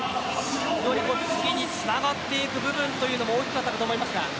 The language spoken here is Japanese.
次につながっていく部分大きかったと思います。